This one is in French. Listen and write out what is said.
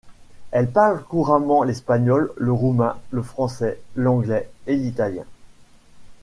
Elle parle couramment l'espagnol, le roumain, le français, l'anglais et l'italien.